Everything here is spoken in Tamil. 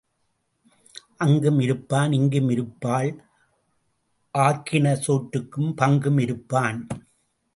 அங்கும் இருப்பான் இங்கும் இருப்பாள் ஆக்கின சோற்றுக்குப் பங்கும் இருப்பான்.